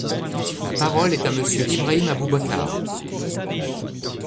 La parole est à Monsieur Ibrahim Aboubacar.